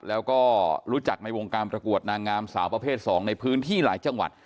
แล้วก็รู้จักในวงการประกวดนางงามสาวประเภท๒ในพื้นที่หลายจังหวัด